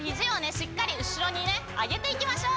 しっかりうしろにねあげていきましょう。